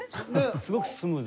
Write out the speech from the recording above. すごくスムーズ。